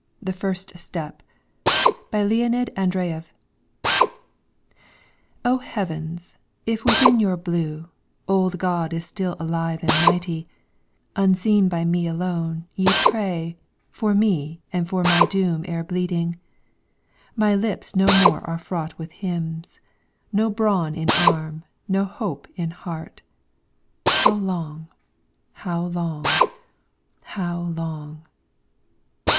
_ THE FIRST STEP BY LEONID ANDREYEV "O heavens, if within your blue, Old God is still alive and mighty, Unseen by me alone, ye pray For me and for my doom e'er bleeding! My lips no more are fraught with hymns, No brawn in arm, no hope in heart.... How long, how long, how long?"